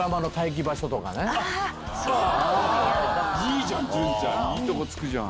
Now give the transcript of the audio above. いいじゃん！